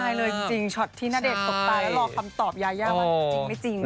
ช็อตนี้ตายเลยจริงตรวจนี่ที่ณเดชก็ตายแล้วรอคำตอบยาย่ามันจริงรึงไม่จริง